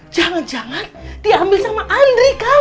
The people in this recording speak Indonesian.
jangan jangan diambil sama andri kan